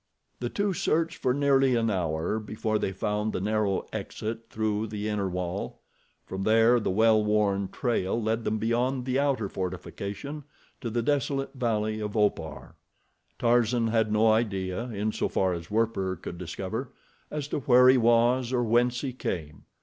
The two searched for nearly an hour before they found the narrow exit through the inner wall. From there the well worn trail led them beyond the outer fortification to the desolate valley of Opar. Tarzan had no idea, in so far as Werper could discover, as to where he was or whence he came.